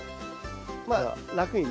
まあ楽にね。